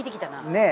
ねえ。